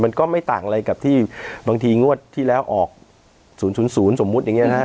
มันก็ไม่ต่างอะไรกับที่บางทีงวดที่แล้วออก๐๐สมมุติอย่างนี้นะ